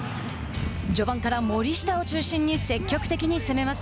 序盤から森下を中心に積極的に攻めます。